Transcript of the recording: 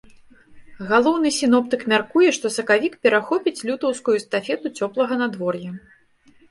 Галоўны сіноптык мяркуе, што сакавік перахопіць лютаўскую эстафету цёплага надвор'я.